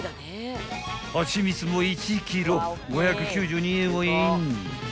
［はちみつも１ｋｇ５９２円をイン］